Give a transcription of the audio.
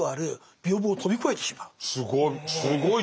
すごい。